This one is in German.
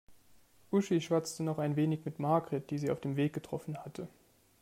Uschi schwatzte noch ein wenig mit Margret, die sie auf dem Weg getroffen hatte.